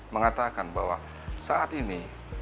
mengatakan bahwa saat ini